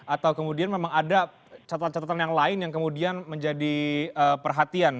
atau kemudian memang ada catatan catatan yang lain yang kemudian menjadi perhatian